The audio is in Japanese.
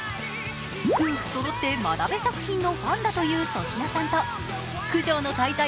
夫婦そろって真鍋作品のファンだという粗品さんと「九条の大罪」